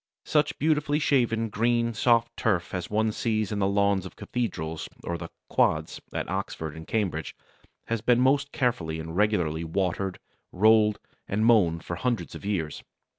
Such beautifully shaven, green, soft turf as one sees in the lawns of cathedrals or the "quads" at Oxford and Cambridge has been most carefully and regularly watered, rolled, and mown for hundreds of years.